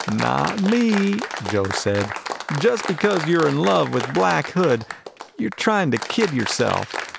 "Not me," Joe said. "Just because you're in love with Black Hood you're trying to kid yourself.